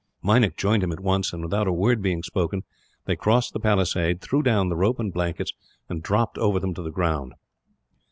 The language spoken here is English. Meinik joined him at once and, without a word being spoken, they crossed the palisade, threw down the rope and blankets, and dropped after them to the ground.